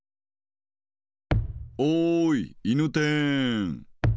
おいいぬてん。